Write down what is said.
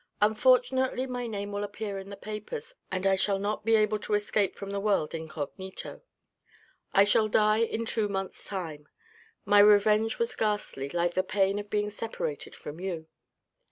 " Unfortunately, my name will appear in the papers, and I shall not be able to escape from the world incognito. I shall die in two months' time. My revenge was ghastly, like the pain of being separated from you.